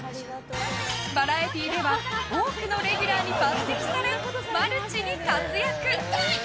バラエティーでは多くのレギュラーに抜擢されマルチに活躍。